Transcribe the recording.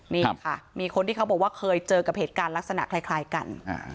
นี่ค่ะมีคนที่เขาบอกว่าเคยเจอกับเหตุการณ์ลักษณะคล้ายกัน